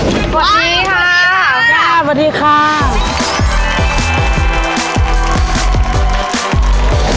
สวัสดีค่ะสวัสดีค่ะสวัสดีค่ะสวัสดีค่ะสวัสดีค่ะ